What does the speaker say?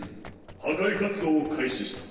破壊活動を開始した。